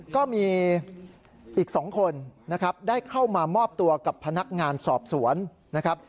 ก็มีอีก๒คนนะครับได้เข้ามามอบตัวกับพนักงานสอบสวนนะครับ